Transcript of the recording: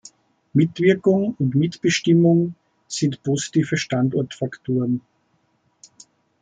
Mitwirkung und Mitbestimmung sind positive Standortfaktoren.